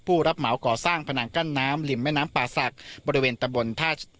ผู้รับเหมาก่อสร้างผนังกั้นน้ำริมแม่น้ำป่าศักดิ์บริเวณตะบนท่า